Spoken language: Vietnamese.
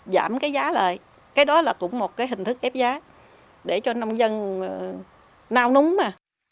giảm cái giá lợi cái đó là cũng một cái hình thức ép giá để cho nông dân nao núng mà